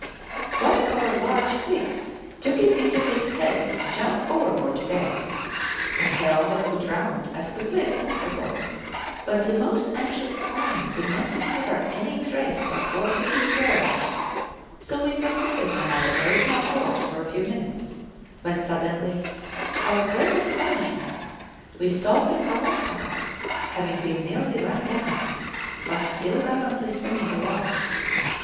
One of our large pigs took it into his head to jump overboard to day. The helm was put round as quickly as possible, but the most anxious spying could not discover any trace of poor piggy's whereabouts; so we proceeded on our original course for a few minutes, when suddenly, to our great astonishment, we saw him alongside, having been nearly run down, but still gallantly swimming along.